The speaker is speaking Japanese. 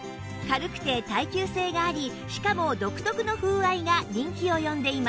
軽くて耐久性がありしかも独特の風合いが人気を呼んでいます